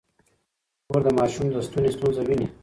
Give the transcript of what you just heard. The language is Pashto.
مور د ماشوم د ستوني ستونزه ويني.